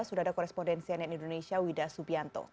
sudah ada korespondensiannya di indonesia wida subianto